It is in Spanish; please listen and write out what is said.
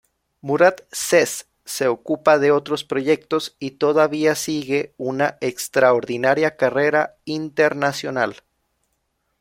Murat Ses se ocupa de otros proyectos y todavía sigue una extraordinaria carrera internacional.